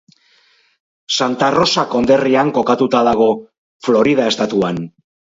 Santa Rosa konderrian kokatuta dago, Florida estatuan.